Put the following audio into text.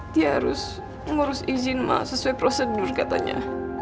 dia harus ngurus izin ma sesuai prosedur katanya